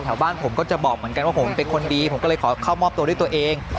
บ้านผมก็จะบอกเหมือนกันว่าผมเป็นคนดีผมก็เลยขอเข้ามอบตัวด้วยตัวเอง